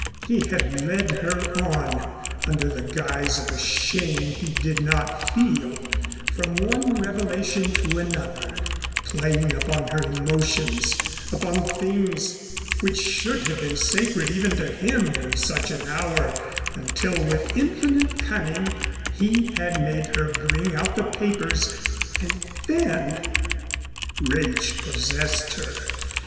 He had led her on under the guise of a shame he did not feel, from one revelation to another, playing upon her emotions, upon things, which should have been sacred even to him in such an hour until with infinite cunning he had made her bring out the papers and then Rage possessed her.